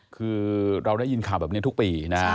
คือเราได้ยินข่าวแบบนี้ทุกปีนะ